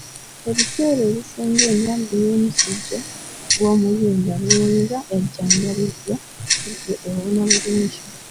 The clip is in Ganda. Ebiseera ebisinga endwadde y'omusujja gw'omu byenda bw'eba ejjanjabiddwa mu budde ewona bulungi